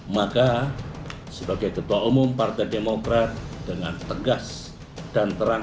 maka sebagai ketua umum partai demokrat dengan tegas dan terang